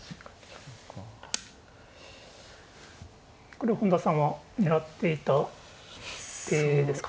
これ本田さんは狙っていた手ですか。